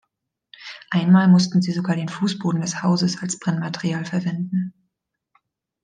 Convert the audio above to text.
Einmal mussten sie sogar den Fußboden des Hauses als Brennmaterial verwenden.